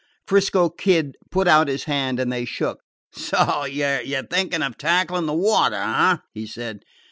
'Frisco Kid put out his hand, and they shook. "So you 're thinking of tackling the water, eh?" he said.